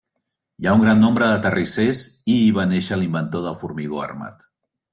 Hi ha un gran nombre de terrissers i hi va néixer l'inventor del formigó armat.